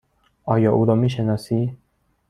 آیا او را می شناسی؟